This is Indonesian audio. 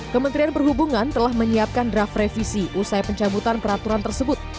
kementerian perhubungan telah menyiapkan draft revisi usai pencabutan peraturan tersebut